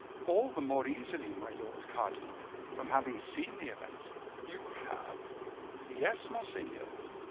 "All the more easily, my lord cardinal, from having seen the events." "You have?" "Yes, monseigneur."